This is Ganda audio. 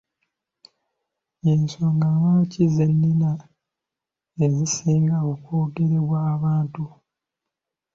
Y’ensonga lwaki ze nnini ezisinga okwogerebwa abantu.